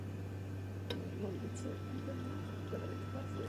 Díky silnému rozvoji v okolí kanálu se začali rozvíjet okolní vesnice a města.